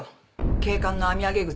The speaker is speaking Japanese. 警官の編み上げ靴。